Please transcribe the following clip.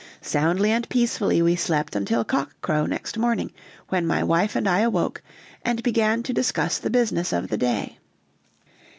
Soundly and peacefully we slept until cock crow next morning, when my wife and I awoke, and began to discuss the business of the day.